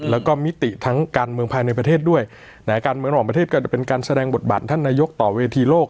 แล้วก็มิติทั้งการเมืองภายในประเทศด้วยแม้การเมืองของประเทศก็จะเป็นการแสดงบทบาทท่านนายกต่อเวทีโลก